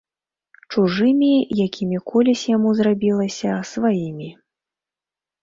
Чужымі, якімі колісь яму зрабілася сваімі.